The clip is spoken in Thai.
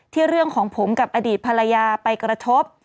เรื่องของผมกับอดีตภรรยาไปกระทบ